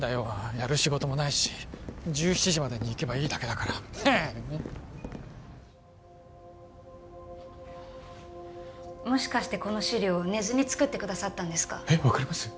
やる仕事もないし１７時までに行けばいいだけだからへえもしかしてこの資料寝ずに作ってくださったんですかえっ分かります？